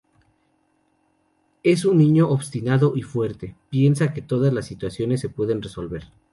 Es un niño obstinado y fuerte, piensa que todas las situaciones se pueden resolver.